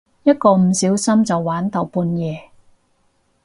一個唔小心就玩到半夜